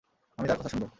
আমি তার কথা শুনব।